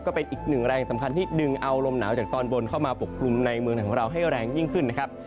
ก็เป็นอีกหนึ่งแรงสำคัญที่ดึงเอาลมหนาวจากตอนบนเข้ามาปกคลุมในเมืองไทยของเราให้แรงยิ่งขึ้นนะครับ